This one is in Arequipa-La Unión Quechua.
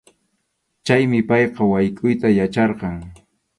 Chaymi payqa waykʼuyta yacharqan.